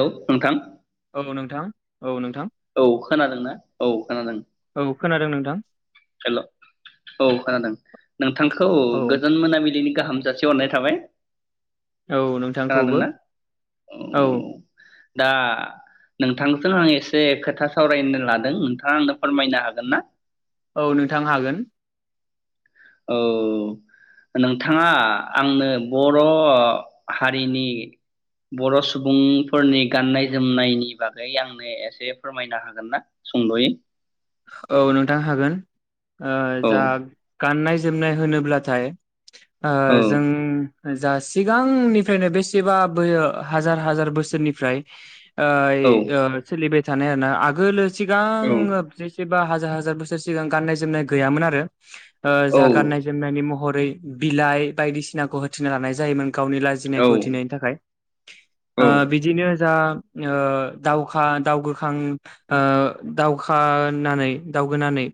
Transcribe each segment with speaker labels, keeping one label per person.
Speaker 1: लौ नोंथां
Speaker 2: औ नोंथां औ नोंथां
Speaker 1: औ खोनादोंना औ खोनादों।
Speaker 2: औ खोनादों नोंथां
Speaker 1: हेल' औ खोनादों। नोंथांखौ
Speaker 2: औ
Speaker 1: गोजोन मोनाबिलिनि गाहाम जासि हरनाय थाबाय।
Speaker 2: औ नोंथांखौबो
Speaker 1: खोनादोंना
Speaker 2: औ
Speaker 1: दा नोंथांजों आं एसे खोथा सावरायनो लादों नोंथाङा आंनो फोरमायनो हागोन ना?
Speaker 2: औ नोंथां हागोन।
Speaker 1: औ नोंथाङा आंनो बर' हारिनि बर' सुबुंफोरनि गाननाय जोमनायनि बागै आंनो एसे फोरमायनो हागोन ना सुंद'यै?
Speaker 2: औ नोंथां हागोन। ओ
Speaker 1: औ
Speaker 2: जा गाननाय ज जोमनाय होनोब्लाथाय ओ
Speaker 1: औ
Speaker 2: जों जा सिगांनिफ्रायनो बेसेबा बोयो हाजार हाजार बोसोरनिफ्राय ओइ
Speaker 1: औ
Speaker 2: ओ सोलिबाय थानाय आरोना आगोलोस
Speaker 1: औ
Speaker 2: सिगांङो एबा हाजार हाजार बोसोर सिगां गाननाय जोमनाय गैयामोन आरो ओ जा गाननाय
Speaker 1: औ
Speaker 2: जोमनायनि महर यै बिलाइ बायदिसिनाखौ होथेना लानाय जायोमोन। गावनि लाजिनायखौ उथिनायनि
Speaker 1: औ
Speaker 2: थाखाय ओ
Speaker 1: औ
Speaker 2: बिदिनो जा‌ ओ दावखा दाव गोखां ओ दावखा नानै दावगोनानै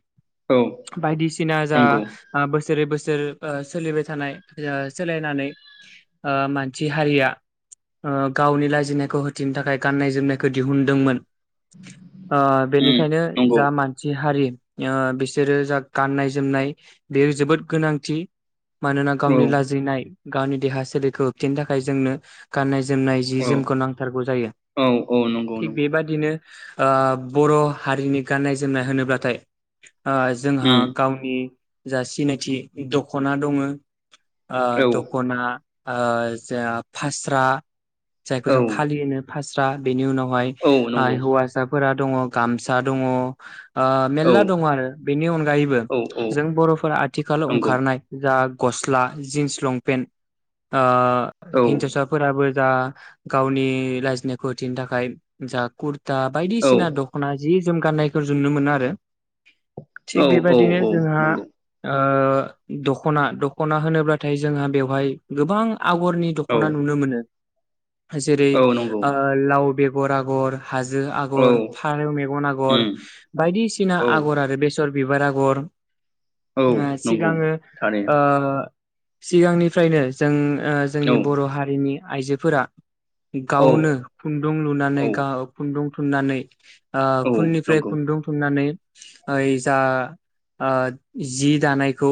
Speaker 1: औ
Speaker 2: बायदिसिना जा
Speaker 1: नंगौ
Speaker 2: ओ बोस बोसोरै बोसोर ओ सोलिबाय थानाय जा सोलायनानै ओ मानसि हारिया ओ गावनि लाजिनायखौ होथिनो थाखाय गाननाय जोमनायखौ दिहुनदोंमोन। ओ
Speaker 1: उम
Speaker 2: बेनिखायनो
Speaker 1: नंगौ
Speaker 2: जा मानसि हारि ओ बिसोरो जा गाननाय जोमनाय बेयो जोबोद गोनांथि। मानोना
Speaker 1: औ
Speaker 2: गावनि लाजिनाय गावनि देहा सोलेरखौ होबथिनो थाखाय जोंनो गाननाय जोमनाय जि
Speaker 1: औ
Speaker 2: जोमखौ नांथारगौ जायो
Speaker 1: औ औ नंगौ
Speaker 2: थिग
Speaker 1: नंगौ
Speaker 2: बेबादिनो बर' हारिनि गाननाय जोमनाय होनोब्लाथाय जोंहा
Speaker 1: उम
Speaker 2: गावनि जा सिनायथि दख'ना दङ। आ
Speaker 1: औ
Speaker 2: दखना आ जों फास्रा जायखौ
Speaker 1: औ
Speaker 2: जों फालि होनो फासि थ्रा बेनि उनाव
Speaker 1: औ नंगौ
Speaker 2: हौवासाफोरा दङ गामसा दङ
Speaker 1: औ
Speaker 2: मेलला दङ आरो बेनि अनगायैबो
Speaker 1: औ औ
Speaker 2: जों बर'फोरा आथिखालाव
Speaker 1: नंगौ
Speaker 2: ओंखारनाय जा गस्ला जिन्स लंपेन्ट ओ
Speaker 1: औ
Speaker 2: हिनजावसाफोराबो जा गावनि लाजिनायखौ होथिनो थाखाय जा कुर दा
Speaker 1: औ
Speaker 2: बायदिसिना दख'ना जि जोम गान्नायखौ जुनो मोनो आरो
Speaker 1: औ
Speaker 2: थिग
Speaker 1: औ
Speaker 2: बेबायदिनो
Speaker 1: औ
Speaker 2: जोंहा
Speaker 1: नंगौ
Speaker 2: दख'ना दख'ना होनोब्लाथाय जोंहा बेवहाय गोबां आगरनि
Speaker 1: औ
Speaker 2: दख'ना नुनो मोनो। जेरै
Speaker 1: औ नंगौ
Speaker 2: लाव बे गर आगर, हाजो
Speaker 1: औ
Speaker 2: आगर, फारेव मे आगर
Speaker 1: उम
Speaker 2: बायदिसिना
Speaker 1: औ
Speaker 2: आगर आरो बे सर बिबार आगर,
Speaker 1: औ
Speaker 2: आ
Speaker 1: नंगौ
Speaker 2: सिगाङो ओ
Speaker 1: थारैनो
Speaker 2: सिगांनिफ्रायनो जों जोंनि बर' हारिनि आइजोफोरा
Speaker 1: औ
Speaker 2: गावनो खुन्दुं लुनानै
Speaker 1: औ
Speaker 2: गाव खुन्दुं थुननानै ओ
Speaker 1: औ
Speaker 2: खुननिफ्राय
Speaker 1: नंगौ
Speaker 2: खुन्दुं थुननानै ओइ जा जि दानायखौ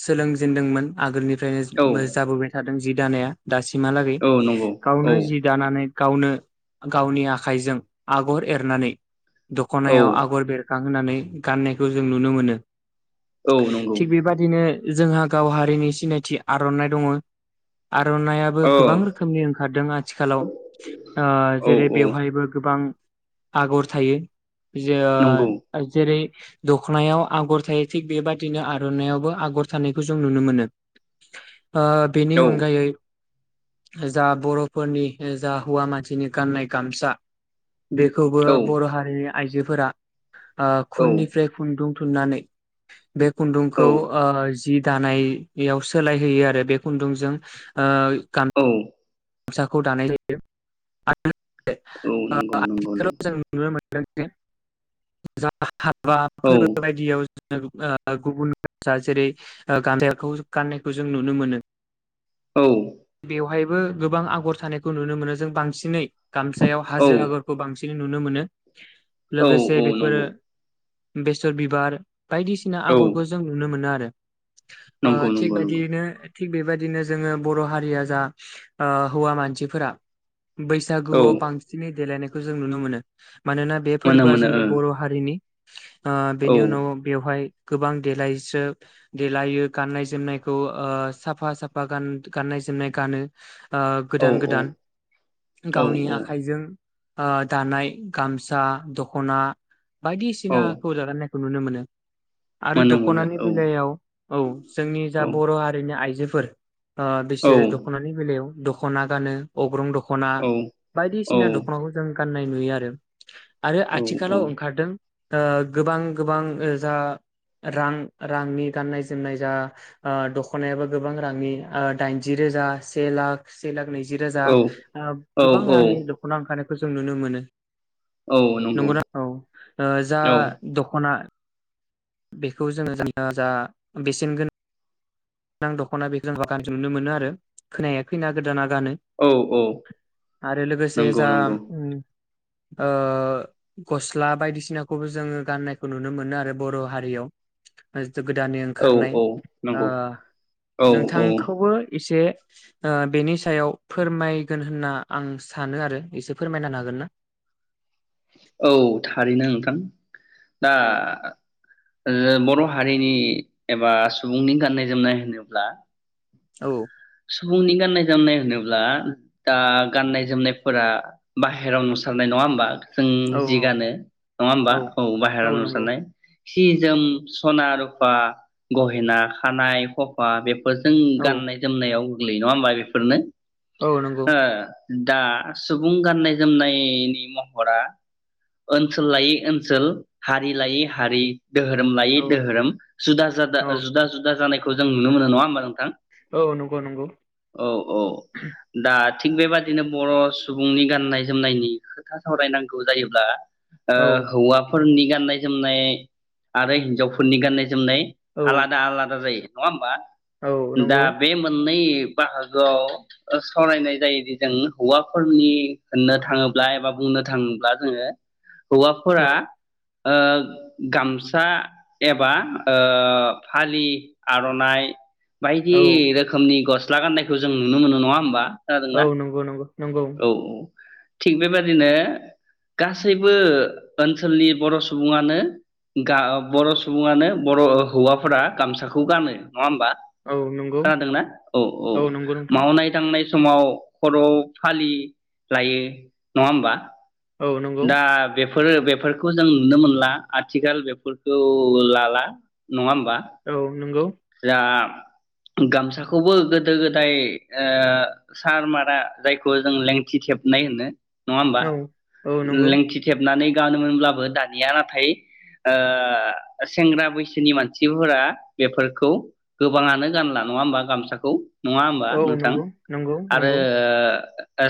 Speaker 2: सोलोंजेनदोंमोन आगोलनि
Speaker 1: औ
Speaker 2: फ्रायनो जाबोबाय था दों जि दानाया दासिमहालागै
Speaker 1: औ नंगौ औ
Speaker 2: गावनो जि दानानै गावनो गावनि आखाइजों आगर एरनानै दख'नायाव
Speaker 1: औ
Speaker 2: आगर बेर खांहोनानै गाननायखौ जों नुनो मोनो।
Speaker 1: औ नंगौ
Speaker 2: थिग बेबादिनो जोंहा गाव हारिनि सिनायथि आर'नाइ दङ आर'नाइआबो
Speaker 1: औ
Speaker 2: गोबां रोखोमनि ओंखारदों आथिखालाव जेरै
Speaker 1: औ औ
Speaker 2: बेवहायबो गोबां आगर थायो। जेयै
Speaker 1: नंगौ
Speaker 2: ओ जेरै दख'नायाव आगर थायो थिग बेबादिनो आर'नाइआवबो आगर थानायखौ जों नुनो मोनो। बेनि
Speaker 1: औ
Speaker 2: अनगायै जा बर'फोरनि जा हौवा मानसिनि गाननाय गामसा बे खौबो बर' हारिनि आइजोफोरा
Speaker 1: औ
Speaker 2: खुननिफ्राय खुन्दुं थुननानै बे
Speaker 1: औ
Speaker 2: खुन्दुंखौ जि दानायाव सोलायहैयो आरो बे खुन्दुंजों
Speaker 1: औ
Speaker 2: गामसाखौ दानाय जायो।
Speaker 1: नंगौ नंगौ
Speaker 2: आथिखालाव
Speaker 1: नंगौ
Speaker 2: जों नुनो मोनो [unintelligible]
Speaker 1: औ
Speaker 2: हाबाफोर बायदियाव गुबुना जेरै गामसाखौ गाननायखौ जों नुनो मोनो
Speaker 1: औ
Speaker 2: बेवहायबो गोबां आगर थानायखौ नुनो मोनो जों बांसिनै गामसायाव
Speaker 1: औ
Speaker 2: हाजो आगरखौ बांसिन नुनो मोनो।
Speaker 1: औ
Speaker 2: लोगोसे
Speaker 1: औ
Speaker 2: बेफोरो
Speaker 1: नंगौ
Speaker 2: बेसर बिबार बायदिसिना
Speaker 1: औ
Speaker 2: आगरखौ जों नुनो मोनो आरो ओ
Speaker 1: नंगौ
Speaker 2: थिख
Speaker 1: नंगौ नंगौ
Speaker 2: बेबादिनो थिग बेबायदिनो जोङो बर' हारि जा हौवा मानसिफोरा
Speaker 1: औ
Speaker 2: बैसागुआव बांसिनै देलायनायखौ खौ जों नुनो मोनो मानोना बे
Speaker 1: मोनो
Speaker 2: फोरबोआ
Speaker 1: मोनो
Speaker 2: जोंनि बर' हारिनि
Speaker 1: ओ
Speaker 2: बेनि उनाव बेवहाय गोबां देलायस्रो देलायो गाननाय जोमनायखौ साफा साफा गाननाय जोमनाय गानो
Speaker 1: औ
Speaker 2: गोदान
Speaker 1: औ
Speaker 2: गोदान
Speaker 1: औ
Speaker 2: गावनि
Speaker 1: औ
Speaker 2: आखाइजों दानाय गामसा दखना
Speaker 1: औ
Speaker 2: बायदिसिनाखौ गाननायखौ नुनो मोनो आरो
Speaker 1: मोनो मोनो
Speaker 2: दखनानि
Speaker 1: औ
Speaker 2: बेलायाव औ जोंनि जा
Speaker 1: औ
Speaker 2: बर' हारिनि आइजो फोर ओ
Speaker 1: औ
Speaker 2: जेरै दख'नानि बेलायाव दख'ना गानो अग्रं दख'ना दख'ना
Speaker 1: औ औ
Speaker 2: बायदिसिना दख'नाखौ जों गाननाय नुयो आरो आरो आथिखालाव ओंखारदों आ गोबां गोबां जा रां रांनि गाननाय जोमनाय जा आ दख'नायाबो गोबां रांनि आ दान जिरोजा से लाख से लाख नै जिरोजा
Speaker 1: औ
Speaker 2: आ गोबां
Speaker 1: औ
Speaker 2: रांनि दख'ना ओखारो खो जों नुनो मोनो ।
Speaker 1: औ नंगौ
Speaker 2: नंगौना औ जा
Speaker 1: औ
Speaker 2: दख'ना बेखौ जोङो [unintelligible] जा बेसेनगोन नां दख'ना बेखौ जों बागान नुनो मोनो आरो खोनाया खैना गोदाना गानो
Speaker 1: औ औ
Speaker 2: आरो लोगोसे
Speaker 1: नंगौ
Speaker 2: जा
Speaker 1: नंगौ
Speaker 2: ओ गस्ला बायदिसिनाखौबो जोङो गाननायखौ नुनो मोनो आरो बर' हारियाव जो गोदानै
Speaker 1: औ
Speaker 2: ओंखारनाय
Speaker 1: औ
Speaker 2: आ
Speaker 1: नंगौ औ औ
Speaker 2: नोंथांखौबो एसे आ बेनि सायाव फोरमायगोन होनना आं सानो आरो एसे फोरमायनो हागोन ना
Speaker 1: औ थारैनो ओंथां । दा
Speaker 2: औ
Speaker 1: ओ बर' हारिनि एबा सुबुंनि गाननाय जोमनाय होनोब्ला
Speaker 2: औ ।
Speaker 1: सुबुंनि गाननाय जोमनाय होनोब्ला दा गाननाय जोमनायफोरा बाहेरायाव नुसारनाय नङा होमबा? जों जि गानो नङा होमबा औ बाहेरायाव नुसारनाय । सि जोम सना रुफा गहेना खानाय हफा बे फो जों
Speaker 2: औ
Speaker 1: गाननाय होननायाव गोग्लैयो नङा होमबा बेफोरनो ।
Speaker 2: औ नंगौ ।
Speaker 1: दा सुबुं गाननाय जोमनायनि महरा ओनसोल लायै ओनसोल हारि लायै हारि दोहोरोम लाय
Speaker 2: औ
Speaker 1: दोहोरोम जुदा जादा
Speaker 2: औ
Speaker 1: जुदा जुदा जानाय खौ जों नुनो मोन नङा होमबा नोंथां
Speaker 2: औ नंगौ नंगौ
Speaker 1: । औ औ दा थिग बेबादिनो बर' सुबुंनि गाननाय जोमनायनि खोथा सावरायनांगौ जायोब्ला ओ
Speaker 2: औ
Speaker 1: हौवाफोरनि गाननाय जोमनाय आरो हिनजावफोरनि गाननाय जोमनाय
Speaker 2: औ
Speaker 1: आलादा आलादा जायो । नङा होनबा ।
Speaker 2: औ नंगौ ।
Speaker 1: मोननै बाहागोआव सावरायनाय जायोदि जों हौवाफोरनि होननो थाङोब्ला एबा बुंनो थाङोब्ला जोङो
Speaker 2: औ
Speaker 1: हौवाफोरा ओ गामसा एबा ओ फालि आर'नाइ बायदि
Speaker 2: औ
Speaker 1: रोखोमनि गस्ला गाननायखौ जों नुनो मोनो नङा होमबा ।
Speaker 2: औ नंगौ नंगौ नंगौ
Speaker 1: थिग बेबदिनो गासैबो ओनसोलनि बर' सुबुङानो गा बर' सुबुङानो बर' हौवाफोरा गामसाखौ गानो नङा होमबा?
Speaker 2: औ नं
Speaker 1: खोनादोंना औ औ मावनाय दांनाय समाव खर' फालि लायो नङा होमबा?
Speaker 2: औ नंगौ
Speaker 1: दा बे बेफोरो बेफोरखौ जों नुनो मोनला आथिखाल बेफोरखौ लाला । नङा होमबा
Speaker 2: औ नंगौ
Speaker 1: जा गामसाखौबो गोदो गोदाय ओ सार मारा जायखौ जों लेंथि थेबनाय होनो नङा होमबा
Speaker 2: औ औ नंगौ
Speaker 1: लेंथि थेबनानै गानोमोनब्लाबो दानिया नाथाय ओ सेंग्रा बैसोनि मानसिफोरा बेफोरखौ गोबाङानो गानला नङा ओमबा गामसाखौ नङा होमबा
Speaker 2: औ
Speaker 1: नोंथां
Speaker 2: नंगौ नंगौ
Speaker 1: आरो
Speaker 2: नंगौ
Speaker 1: ओ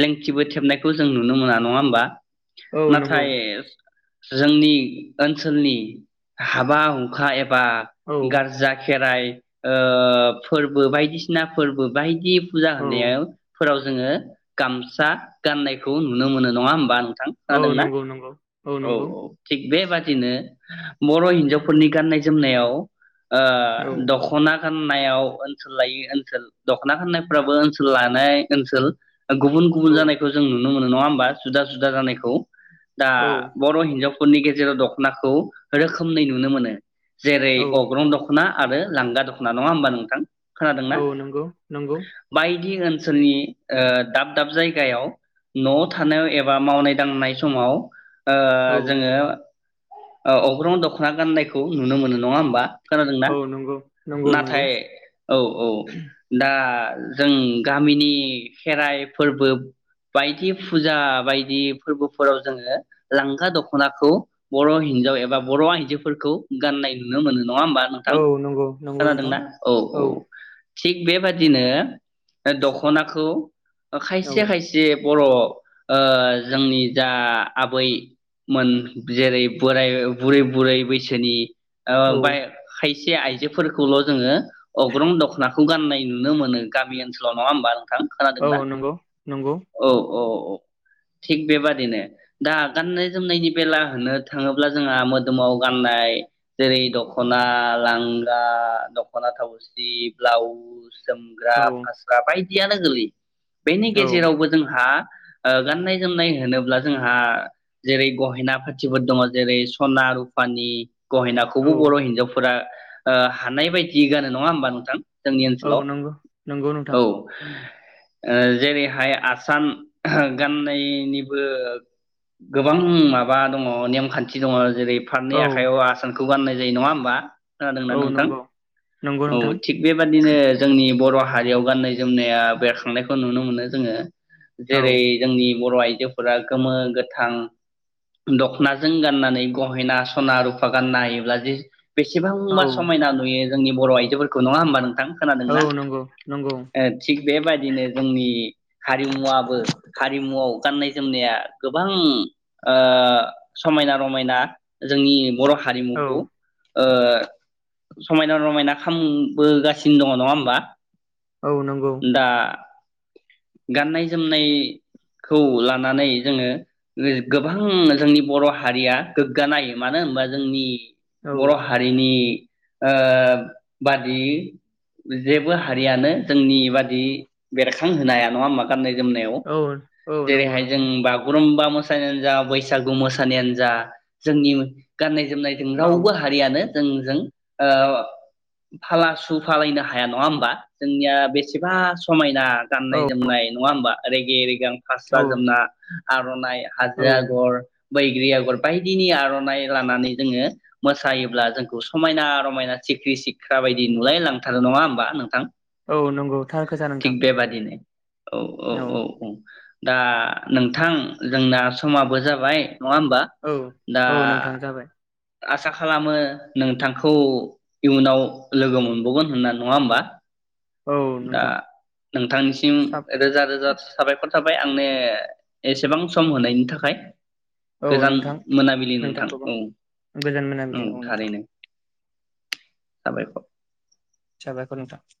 Speaker 1: लेंथिबो थेबनायखौ जों नुनो मोना नङा ओमबा ।
Speaker 2: औ नंगौ
Speaker 1: नाथाय जोंनि ओनसोलनि हाबा हुखा एब बा
Speaker 2: औ
Speaker 1: गारजा खे राय ओ फोरबो बायदिसिना फोरबो बायदि फुजा
Speaker 2: औ
Speaker 1: होननायाव फोराव जोङो गामसा गाननायखौ नुनो मोनो नङा ओमबा? थां
Speaker 2: औ
Speaker 1: खोनादोंना
Speaker 2: नंगौ नंगौ औ नंगौ
Speaker 1: थिग बेबाद नो बर' हिनजावफोरनि गाननाय जोमनायाव ओ
Speaker 2: औ
Speaker 1: दख' ना गाननायाव ओनसोल लायो ओनसोल दख'ना गाननायफ्राबो ओनसोल लानाय ओनसोल गुबुन
Speaker 2: औ
Speaker 1: गुबुन जानायखौ जों नुनो मोनो । नङा ओमबा जुदा जुदा जानायखौ दा
Speaker 2: औ
Speaker 1: बर' हिनजाव फोरनि गेजेराव दख'नाखौ रोखोमनै नुनो मोनो । जेरै
Speaker 2: औ
Speaker 1: अग्रं दख' ना आरो लांगा दख'ना नङा ओमबा नोंथां?
Speaker 2: औ नंगौ नंगौ।
Speaker 1: दि ओनसोलनि ओ दाब दाब जायगायाव न' थानायाव एबा मावनाय दांनाय समाव ओ
Speaker 2: औ
Speaker 1: जोङो ओ अग्रं दख'ना गाननायखौ नुनो मोनो नङा ओमबा?
Speaker 2: औ नंगौ। नंगौ नंगौ
Speaker 1: नाथाय औ औ दा आ जों गामिनि खेराइ फोरबो बायदि फुजा बायदि फोरबोफोराव जोङो लांगा दख'नाखौ बर' हिनजाव एबा बर' आइजोफोरखौ गाननाय नुनो मोनो। नङा ओमबा
Speaker 2: औ
Speaker 1: नोंथां?
Speaker 2: नंगौ नंगौ
Speaker 1: खोनादों
Speaker 2: नोंथां
Speaker 1: ना औ औ थिग बेबादिनो ओ दख'नाखौ ओ
Speaker 2: औ
Speaker 1: खायसे खायसेब बर ओ जोंनि जा आबैमोन जेरै बोराय बुरै बुरै बैसोनि ओ
Speaker 2: औ
Speaker 1: ओमफाय खाय से आयजो फोरखौल' जोंङो अग्रं दखनाखौ गाननाय दि नुनो मोनो गामि ओनसोलाव नंङा होमबा नोंथां खोनादों
Speaker 2: औ
Speaker 1: ना
Speaker 2: नंगौ नंगौ
Speaker 1: औ औ थिग बेबादिनो दा गाननाय जोमनायनि बेला होनो थांङोब्ला जोंहा मोदोमाव गाननाय जेरै दखना लां गा दखना थावसि ब्लाउस जोमग्रा
Speaker 2: औ
Speaker 1: फास्रा बायदि जियानो गोलै बेनि
Speaker 2: औ
Speaker 1: गेजेरावबो जोंहा ओ गाननाय जोमनाय होनोब्ला जोंहा जेरै गहेना पाथिफोर दंङ जेरै सना रुफानि
Speaker 2: औ
Speaker 1: गहेनाखौबो बर हिनजावफोरा ओ हानाय बायदि गानो नंङा होमबा नोंथां जोंनि
Speaker 2: औ
Speaker 1: ओनसोलाव
Speaker 2: नंगौ नंगौ नोंथां
Speaker 1: औ ओ जेरैहाय आसान गाननायनिबो गोबां माबा दंङ नेमखान्थि दनङ जेरै फारनै
Speaker 2: औ
Speaker 1: आखायाव आसानखौ गाननाय जायो नंङा होनबा खोनादोंना
Speaker 2: औ
Speaker 1: नोंथां
Speaker 2: नंगौ नंगौ
Speaker 1: औ
Speaker 2: नोंथां
Speaker 1: थिग बेबादिनो जोंनि बर हारियाव गाननाय जोमनाया बेरखांनायखौ नुनो मोनो जोंङो
Speaker 2: औ
Speaker 1: जेरै जोंनि बर आइजोफोरा गोमो गोथां दखनाजों गाननानै गहेना सना रुफा गाननो हायोब्ला जे बेसे
Speaker 2: औ
Speaker 1: सांबा समायना नुयो जोंनि बर आइजोफोरखौ नंङा होमबा नोंथां
Speaker 2: औ
Speaker 1: खोनादोंना
Speaker 2: नंगौ नंगौ
Speaker 1: ओ थिग बेबायदिनो जोंनि हारिमुवाबो हारिमुवाव गाननाय जोमनाया गोबां समायना रमायना जोंनि बर
Speaker 2: औ
Speaker 1: हारिमुखौ ओ समायना रमायना खामबोगासिनो दंङ नंङा होनबा
Speaker 2: औ नंगौ
Speaker 1: गाननाय जोमनायखौ लानानै जोंङो गोबां जोंनि बर हारिया गोग्गानाय मानो होनबा जोंनि
Speaker 2: औ
Speaker 1: बर हारिनि ओ बादि जेबो हारियानो जोंनि बादि बेरखां होनो हाया नंङा होनबा गाननाय जोमनायाव
Speaker 2: औ औ नंगौ
Speaker 1: जेरैहाय जों
Speaker 2: नंगौ
Speaker 1: बागुरुम्बा मोसानायानो जा बैसागु मोसानायानो जा जोंनि गाननाय जोमनायजों
Speaker 2: औ
Speaker 1: रावबो हारियानो जोंजों ओ फाला सुफालायनो हाया नङा होमबा? जोंनिया बेसेबा समाय ना
Speaker 2: औ
Speaker 1: गाननाय जोमनाय नङा होमबा? रेगे-रिगां फास्रा जोमना आरननाय
Speaker 2: औ
Speaker 1: हाजो आगर बैग्रि आगर बायदिनि आरननाइ लानानै जोङो मोसायोब्ला जोंखौ समायना रमायना सिख्रि सिख्रा बायदि नुलाय लांथारो नङा होमबा नोंथां?
Speaker 2: औ नंगौ थार खोथा
Speaker 1: थिग
Speaker 2: नोंथां ।
Speaker 1: बेबादिनो औ औ औ औ ‌ दा नोंथां जोंना समाबो जाबाय नङा होमबा
Speaker 2: औ
Speaker 1: दा
Speaker 2: औ नोंथां जाबाय
Speaker 1: आसा खालामो नोंथांखौ इयुनाव लोगो मोनबावगोन होनना नङा होमबा ।
Speaker 2: औ
Speaker 1: दा
Speaker 2: नोंथां
Speaker 1: नोंथांनिसिम
Speaker 2: साब
Speaker 1: रोजा रोजा साबायखर थाबाय आंनो एसेबां सम होनायनि थाखाय
Speaker 2: औ
Speaker 1: गोजोन
Speaker 2: नोंथां
Speaker 1: मोनाबिलि नोंथां ।
Speaker 2: नोंथांखौबो
Speaker 1: औ
Speaker 2: गोजोन
Speaker 1: औ
Speaker 2: मोनाबिलि नोंथां
Speaker 1: थारैनो । साबायखर ।
Speaker 2: साबायखर नोंथां ।